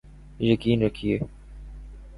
یقین رکھیے۔